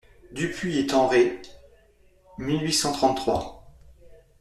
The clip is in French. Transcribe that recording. (Dupuy et Tenré, mille huit cent trente-trois.